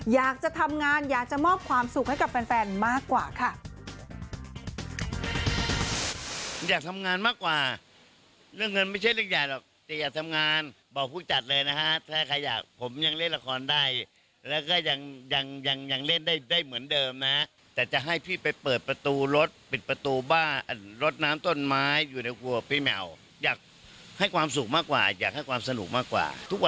อยากจะทำงานอยากจะมอบความสุขให้กับแฟนมากกว่าค่ะ